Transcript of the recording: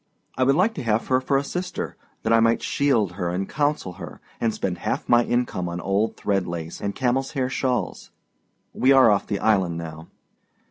I would like to have her for a sister, that I might shield her and counsel her, and spend half my income on old threadlace and camelâs hair shawls. (We are off the island now.)